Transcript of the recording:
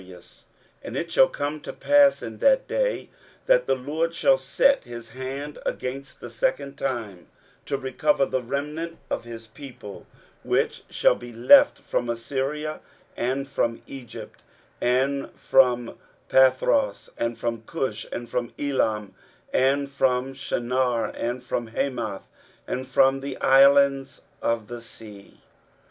23:011:011 And it shall come to pass in that day, that the Lord shall set his hand again the second time to recover the remnant of his people, which shall be left, from Assyria, and from Egypt, and from Pathros, and from Cush, and from Elam, and from Shinar, and from Hamath, and from the islands of the sea.